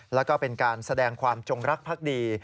แล้วก็เป็นการแสดงความจงรักภักดี